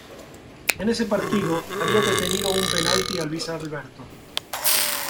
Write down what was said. En ese partido, había detenido un penalti a Luis Alberto.